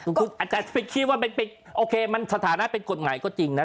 อาจจะไปคิดว่าโอเคมันสถานะเป็นกฎหมายก็จริงนะ